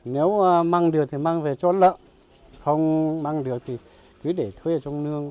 nếu mang được thì mang về cho lợn không mang được thì cứ để thuế ở trong nương